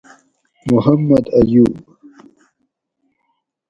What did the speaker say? محمد ایوب